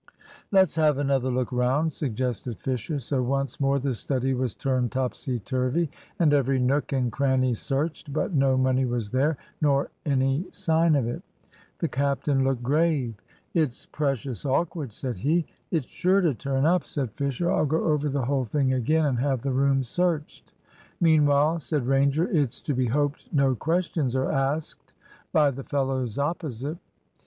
"Let's have another look round," suggested Fisher. So once more the study was turned topsy turvy, and every nook and cranny searched. But no money was there, nor any sign of it. The captain looked grave. "It's precious awkward," said he. "It's sure to turn up," said Fisher. "I'll go over the whole thing again, and have the room searched." "Meanwhile," said Ranger, "it's to be hoped no questions are asked by the fellows opposite."